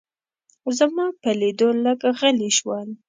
زما په لیدو لږ غلي شول.